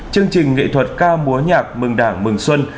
chương trình nghệ thuật ca múa nhạc mừng đảng mừng xuân